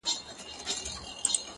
اوښکي ساتمه ستا راتلو ته تر هغې پوري;